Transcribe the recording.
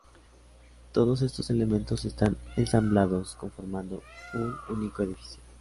Todos estos elementos están ensamblados, conformando un único edificio.